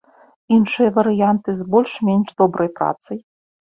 Іншыя варыянты з больш-менш добрай працай?